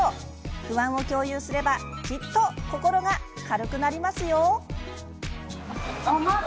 不安を共有すればきっと心が軽くなりますよ。